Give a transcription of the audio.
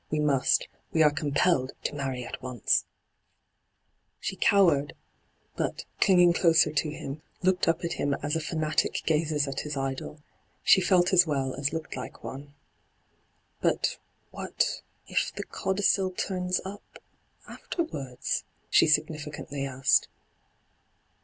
We must — we are compelled to marry at once !' She cowered, but, clinging closer to him, looked up at him as a fanatic gazes at his idol. She felt as well as looked hke one. ' But — what — if the codicil turns up — afterwards ?' she significantly asked.